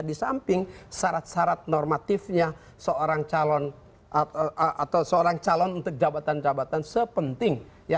disamping syarat syarat normatifnya seorang calon untuk jabatan jabatan sepenting